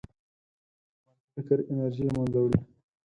منفي فکر انرژي له منځه وړي.